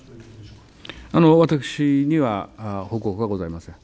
私には報告はございません。